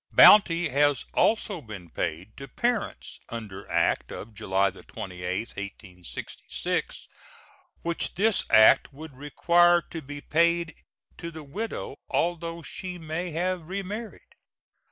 Bounty has also been paid to parents under act of July 28, 1866, which this act would require to be paid to the widow, although she may have remarried.